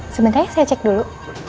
sebentar ya saya cek dulu